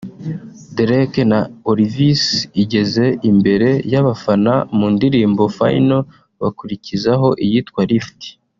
Derek na Olivis igeze imbere y’abafana mu ndirimbo ’Final’ bakurikizaho iyitwa ’Lift’